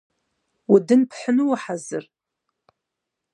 Удын пхьыну ухьэзыр?